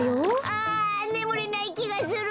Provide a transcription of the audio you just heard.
あねむれないきがする！